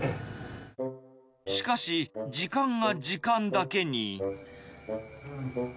しかし、時間が時間だけに。